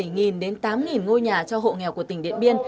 ngôi nhà cho hộ nghèo của tỉnh điện biên